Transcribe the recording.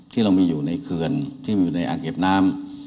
ที่จะอยู่ในเขือนในอาเก็บน้ำ